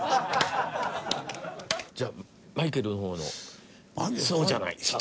じゃあマイケルの方の「僧じゃない」。